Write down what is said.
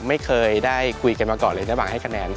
ไม่เคยได้คุยกันมาก่อนเลยระหว่างให้คะแนน